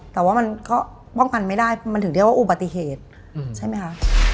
แต่ว่ามันก็ป้องกันไม่ได้มันถึงเรียกว่าอุบัติเหตุใช่ไหมคะ